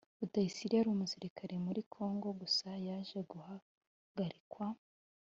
rutayisire yari umusirikare muri congo gusa yaje guhagarikwa